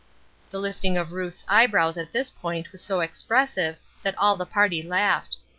The lifting of Ruth's eyebrows at this point was so expressive that all the party laughed.